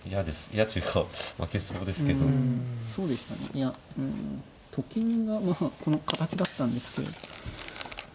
いやうんと金がまあこの形だったんですけど。